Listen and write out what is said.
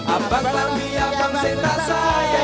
apakah pilihan yang saksa